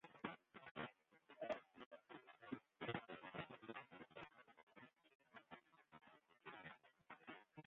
It lêste healjier foar myn eineksamen haw ik by harren yn 'e hûs wenne.